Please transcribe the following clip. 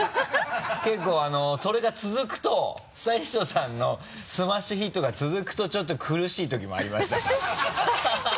結構それが続くとスタイリストさんのスマッシュヒットが続くとちょっと苦しい時もありましたねハハハ